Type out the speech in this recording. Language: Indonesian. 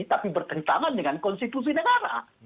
tapi bertentangan dengan konstitusi negara